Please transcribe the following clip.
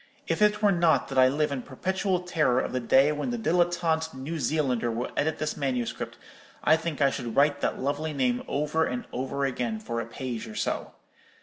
If it were not that I live in perpetual terror of the day when the dilettante New Zealander will edit this manuscript, I think I should write that lovely name over and over again for a page or so.